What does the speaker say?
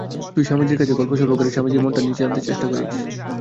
তুই স্বামীজীর কাছে গল্পসল্প করে স্বামীজীর মনটা নীচে আনতে চেষ্টা করিস।